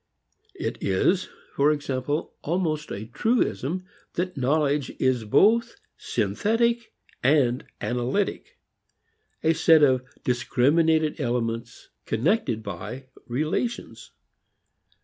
It is, for example, almost a truism that knowledge is both synthetic and analytic; a set of discriminated elements connected by relations.